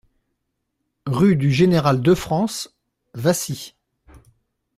Rue du Général Defrance, Wassy